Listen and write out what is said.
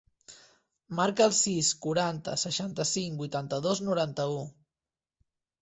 Marca el sis, quaranta, seixanta-cinc, vuitanta-dos, noranta-u.